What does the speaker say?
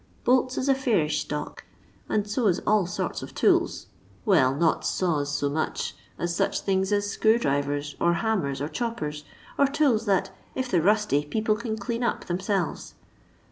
Bolts is a fairish stock, and so is all sorts of tools. Well, not saws so much as such things as screwdrivers, or hammers, or choppers, or tools that if they 're rusty people can clean up theirselves.